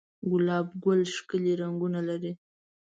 گلاب گل ښکلي رنگونه لري